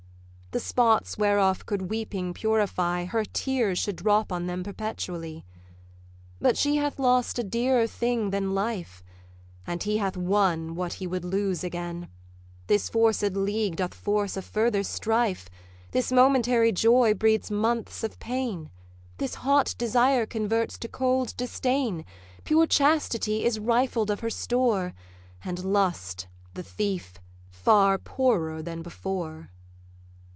The spots whereof could weeping purify, Her tears should drop on them perpetually. But she hath lost a dearer thing than life, And he hath won what he would lose again: This forced league doth force a further strife; This momentary joy breeds months of pain; This hot desire converts to cold disdain: Pure Chastity is rifled of her store, And Lust, the thief, far poorer than before.